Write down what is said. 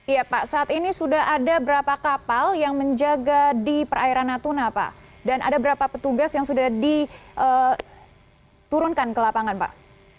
iya pak saat ini sudah ada berapa kapal yang menjaga di perairan natuna pak dan ada berapa petugas yang sudah diturunkan ke lapangan pak